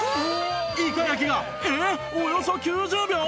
イカ焼きがえっおよそ９０秒！？